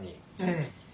ええ。